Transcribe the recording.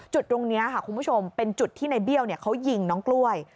จุดตรงนี้ค่ะคุณผู้ชมเป็นจุดที่ในเบี้ยวเขายิงน้องกล้วย